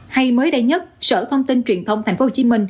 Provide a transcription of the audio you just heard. hay mới đây nhất sở thông tin truyền thông tp hcm